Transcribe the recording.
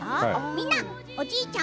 みんなおじいちゃん